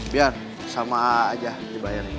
biar sama aja dibayarin